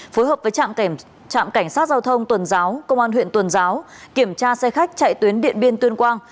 phối hợp với trạm cảnh sát giao thông tuần giáo công an huyện tuần giáo kiểm tra xe khách chạy tuyến điện biên tuyên quang